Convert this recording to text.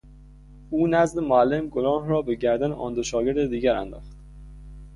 او نزد معلم گناه را به گردن آن دو شاگرد دیگر انداخت.